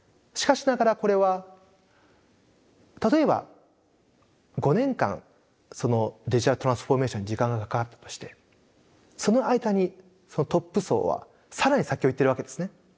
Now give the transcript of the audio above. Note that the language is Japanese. しかしながらこれは例えば５年間そのデジタルトランスフォーメーションに時間がかかったとしてその間にトップ層は更に先を行ってるわけですね。